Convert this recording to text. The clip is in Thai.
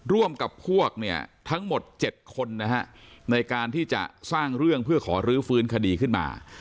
ร่วมกับพวกเนี่ยทั้งหมด๗คนนะฮะในการที่จะสร้างเรื่องเพื่อขอรื้อฟื้นคดีขึ้นมา